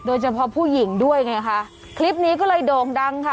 โดยเฉพาะผู้หญิงด้วยไงคะคลิปนี้ก็เลยโด่งดังค่ะ